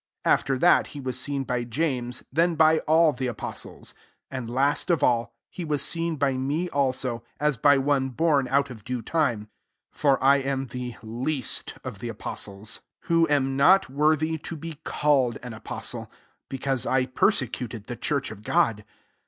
7 After that, be was seen by James ; then hy all the apostles. 8 And, last <^il} he was seen by me also, » by one born out of due time»' 9pPor I am the least of the apostles; 1 CORINTHIANS XV, who «m not worthy to be called an apostle, because I persecut ed the church of God.